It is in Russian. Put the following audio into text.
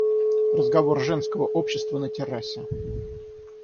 Разговор женского общества на террасе.